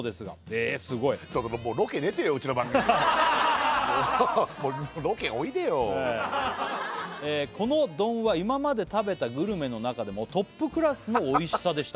えすごいもうロケ出てようちの番組のもうロケおいでよ「この丼は今まで食べたグルメの中でも」「トップクラスのおいしさでした」